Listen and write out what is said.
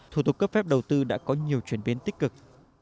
thủ tục cấp phép đầu tư đã có nhiều chuyển biến tích cực